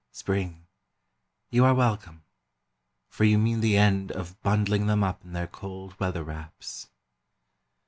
Spring, you are welcome, for you mean the end of Bundling them up in their cold weather wraps.